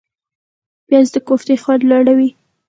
پیاز د کوفتې خوند لوړوي